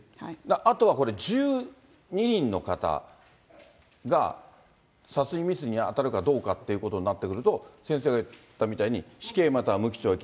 あとはこれ、１２人の方が殺人未遂に当たるかどうかということになってくると、先生が言ったみたいに、死刑または無期懲役。